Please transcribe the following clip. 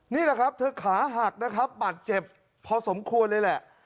นี่แหละครับเธอขาหักนะครับบาดเจ็บพอสมควรเลยแหละ